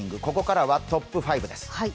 ここからはトップ５です。